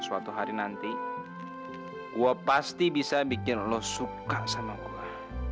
suatu hari nanti gue pasti bisa bikin lo suka sama gue